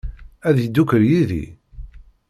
Ad yeddukel yid-i?